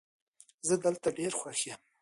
زه دلته ډېر خوښ یم